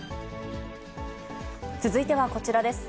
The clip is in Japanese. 続いてはこちらです。